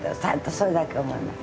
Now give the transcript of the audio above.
それだけ思います。